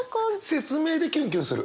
説明でキュンキュンする。